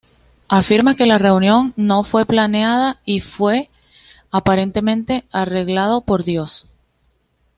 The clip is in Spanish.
Afirma que la reunión no fue planeada, y fue aparentemente arreglado por Dios.